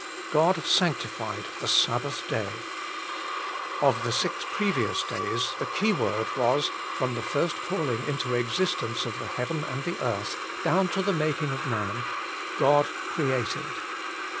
1. God sanctified the Sabbath day. Of the previous six days the keyword was, from the first calling into existence of the heaven and the earth, down to the making of man : God created.